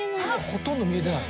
ほとんど見えてない。